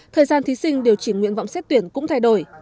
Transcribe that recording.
thời gian thí sinh điều chỉnh nguyện vọng xét tuyển cũng thay đổi